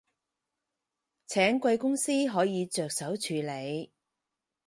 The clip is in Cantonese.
請貴公司可以着手處理